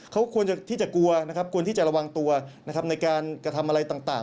เขาควรที่จะกลัวควรที่จะระวังตัวในการกระทำอะไรต่าง